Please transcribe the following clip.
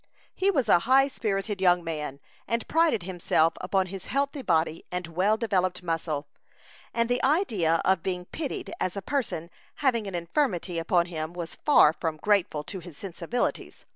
He was a high spirited young man, and prided himself upon his healthy body and well developed muscle, and the idea of being pitied as a person having an infirmity upon him was far from grateful to his sensibilities.